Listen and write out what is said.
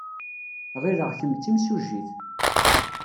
Ɣileɣ kemm d timsujjit.